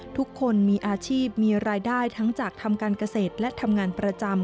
ทุกคนมีอาชีพมีรายได้ทั้งจากทำการเกษตรและทำงานประจำ